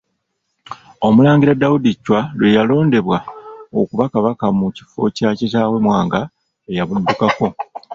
Omulangira Daudi Chwa lwe yalondebwa okuba Kabaka mu kifo kya kitaawe Mwanga eyabuddukako.